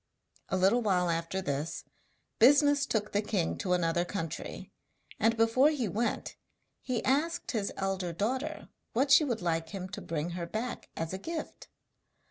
A little while after this, business took the king to another country, and before he went he asked his elder daughter what she would like him to bring her back as a gift.